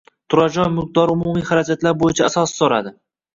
Turar joy mulkdori umumiy xarajatlar bo'yicha asos so'radi.